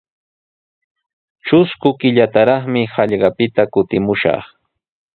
Trusku killataraqmi hallqapita kutimushaq.